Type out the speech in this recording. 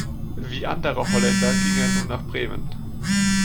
Wie andere Holländer ging er nun nach Bremen.